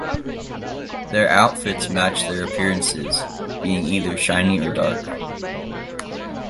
Their outfits matched their appearances, being either shiny or dark.